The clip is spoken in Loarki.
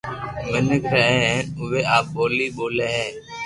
مينک رھي ھي ھين اووي آ ٻولي ٻولي ھي